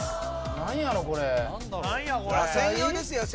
何やろこれ・野菜？